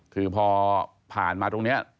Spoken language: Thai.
คือพอผ่านมาตรงนี้